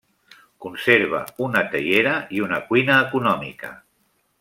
Conserva una teiera i una cuina econòmica.